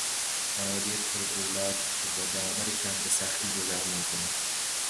خانوادهی پر اولاد که با درآمد کم به سختی گذران میکند